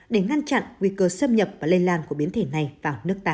để ngăn chặn nguy cơ xâm nhập và lây lan của biến thể này vào nước ta